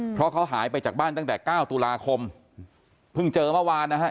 เพราะเขาหายไปจากบ้านตั้งแต่เก้าตุลาคมเพิ่งเจอเมื่อวานนะฮะ